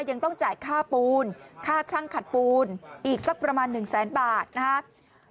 ยังต้องจ่ายค่าปูนค่าช่างขัดปูนอีกสักประมาณ๑แสนบาทนะครับ